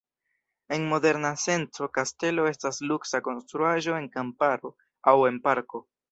En moderna senco kastelo estas luksa konstruaĵo en kamparo aŭ en parko.